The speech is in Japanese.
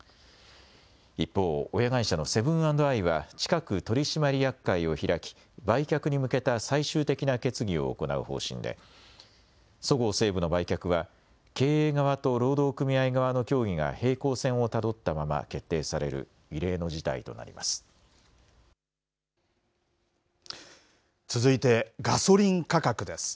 一方、親会社のセブン＆アイは近く、取締役会を開き、売却に向けた最終的な決議を行う方針で、そごう・西武の売却は、経営側と労働組合側の協議が平行線をたどったまま決定される異例続いて、ガソリン価格です。